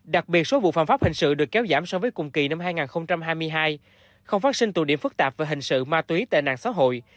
đặc biệt số vụ phạm pháp hình sự được kéo giảm so với cùng kỳ năm hai nghìn hai mươi hai không phát sinh tù điểm phức tạp về hình sự ma túy tệ nạn xã hội